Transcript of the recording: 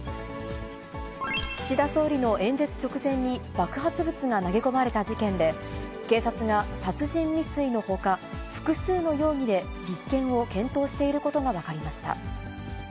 岸田総理の演説直前に爆発物が投げ込まれた事件で、警察が殺人未遂のほか、複数の容疑で立件を検討していることが分かりました。